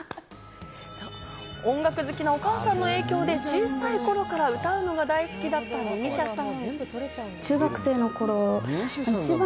音楽好きなお母さんの影響で小さい頃から歌うのが大好きだった美依紗さん。